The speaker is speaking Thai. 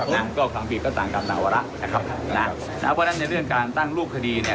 นะก็ความผิดก็ต่างกรรมต่างวาระนะครับนะเพราะฉะนั้นในเรื่องการตั้งรูปคดีเนี่ย